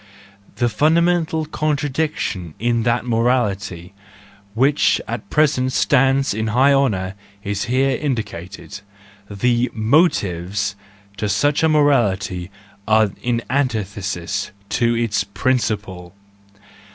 The fundamental contradiction in that morality which at present stands in high honour is here indicated: the motives to such a morality are in antithesis to its principle